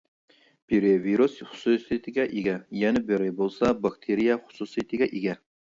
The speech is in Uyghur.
بىرى ۋىرۇس خۇسۇسىيىتىگە ئىگە، يەنە بىرى بولسا باكتېرىيە خۇسۇسىيىتىگە ئىگە.